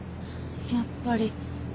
やっぱり。